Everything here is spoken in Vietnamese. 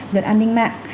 luật an ninh mạng